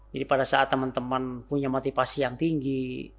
jadi pada saat teman teman punya motivasi yang tinggi